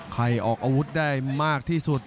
ออกอาวุธได้มากที่สุด